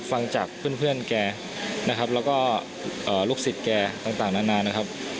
ฟังจากเพื่อนแกนะครับแล้วก็ลูกศิษย์แกต่างนานนะครับ